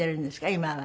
今は。